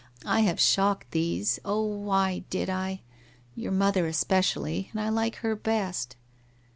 I have shocked these, oh, why did I? Your mother espe cially, and I like her best.'